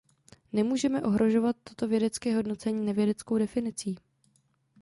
Nemůžeme ohrožovat toto vědecké hodnocení nevědeckou definicí.